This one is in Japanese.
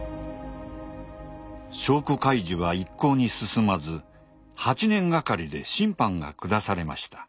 証拠開示は一向に進まず８年がかりで審判が下されました。